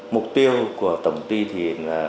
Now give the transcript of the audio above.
mục tiêu của tổng ty thì